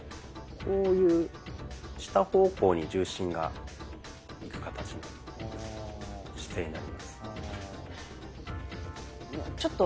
こういう下方向に重心がいく形になる姿勢になります。